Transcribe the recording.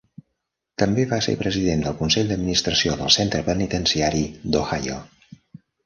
També va ser president del consell d'administració del centre penitenciari d'Ohio.